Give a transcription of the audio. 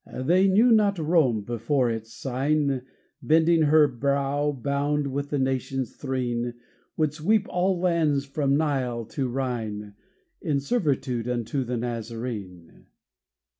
They knew not Rome, before its sign, Bending her brow bound with the nations' threne, Would sweep all lands from Nile to Rhine In servitude unto the Nazarene.